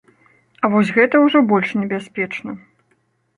А вось гэта ўжо больш небяспечна.